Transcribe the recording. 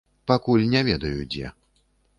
Пакуль не ведаю, дзе.